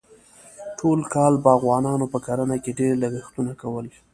ټول کال باغوانانو په کرنه کې ډېر لګښتونه کول.